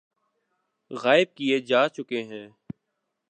غائب کئے جا چکے ہیں